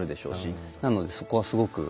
なのでそこはすごく。